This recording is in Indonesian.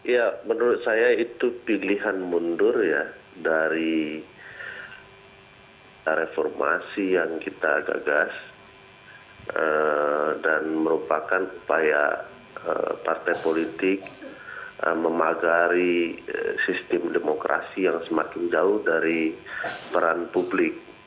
ya menurut saya itu pilihan mundur ya dari reformasi yang kita gagas dan merupakan upaya partai politik memagari sistem demokrasi yang semakin jauh dari peran publik